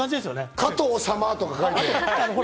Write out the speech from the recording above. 「加藤様」とか書いて。